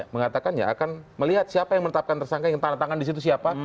mengatakan ya akan melihat siapa yang menetapkan tersangka yang tangan tangan disitu siapa